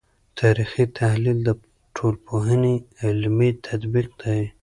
تاریخي تحلیل د ټولنپوهنې علمي تطبیق دی.